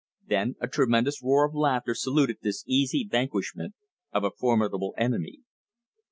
Then a tremendous roar of laughter saluted this easy vanquishment of a formidable enemy.